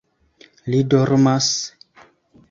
- Li dormas?